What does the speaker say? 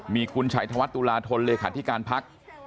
มีคุณชัยธวัฒนตุลาธนเลขาธิการพัก